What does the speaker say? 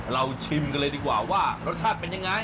ชิมกันเลยดีกว่าว่ารสชาติเป็นยังไง